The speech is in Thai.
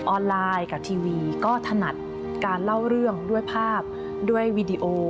ออนไลน์กับทีวีก็ถนัดการเล่าเรื่องด้วยภาพด้วยวีดีโอ